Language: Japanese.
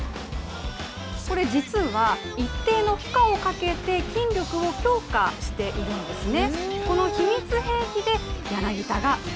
これ実は、一定の負荷をかけて筋力を強化しているんですね。